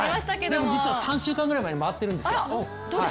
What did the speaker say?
でも、実は３週間ぐらい前に回っているんですよ。